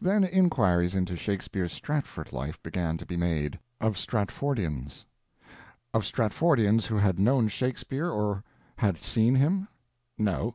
Then inquiries into Shakespeare's Stratford life began to be made, of Stratfordians. Of Stratfordians who had known Shakespeare or had seen him? No.